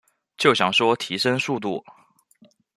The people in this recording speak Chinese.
就想说提升速度